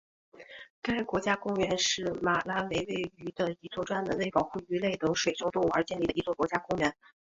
该国家公园是马拉维位于的一座专门为保护鱼类等水生动物而建立的一座国家公园。